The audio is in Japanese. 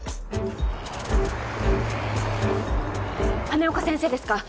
羽根岡先生ですか？